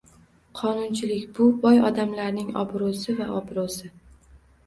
Qonunchilik - bu boy odamlarning obro'si va obro'si